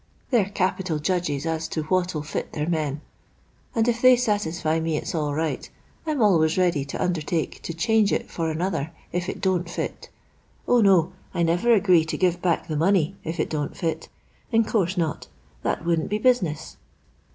They 're capital judges as to what '11 fit their men; and if they satisfy me it's all right, I 'm always ready to undertake to change it for another if it don't fit 0, no, I never agree to I give back the money if it don't fit; in course not; that wouldn't be business.